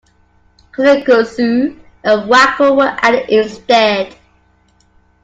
"Kozmik Krooz'r" and "Wacko" were added instead.